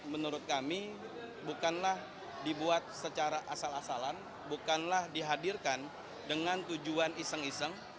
menurut kami bukanlah dibuat secara asal asalan bukanlah dihadirkan dengan tujuan iseng iseng